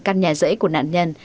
căn nhà rẫy của nạn nhân